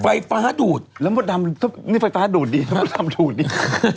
ไฟฟ้าดูดแล้วมดดำนี่ไฟฟ้าดูดดีถ้ามดดำดูดดี